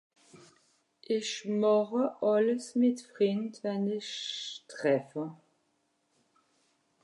Ìch màche àlles mìt Frìnd, wo-n-ìch treffe.